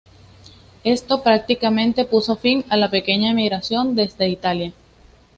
Esto prácticamente puso fin a la pequeña emigración desde Italia.